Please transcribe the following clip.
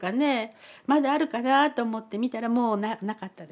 まだあるかなと思って見たらもうなかったです。